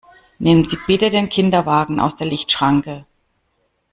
Nehmen Sie bitte den Kinderwagen aus der Lichtschranke!